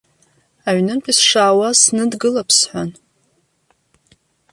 Аҩнынтәи сшаауаз, сныдгылап сҳәан.